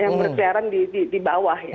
yang berkejaran di bawah